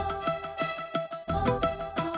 nih aku tidur